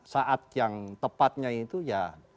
saat yang tepatnya itu ya